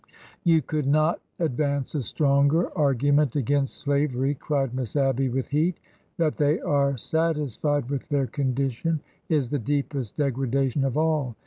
You could not advance a stronger argument against slavery," cried Miss Abby, with heat. That they are satisfied with their condition is the deepest degradation of all!